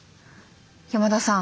山田さん。